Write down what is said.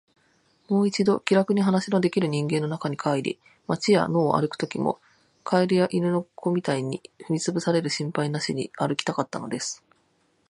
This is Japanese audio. もう一度、気らくに話のできる人間の中に帰り、街や野を歩くときも、蛙や犬の子みたいに踏みつぶされる心配なしに歩きたかったのです。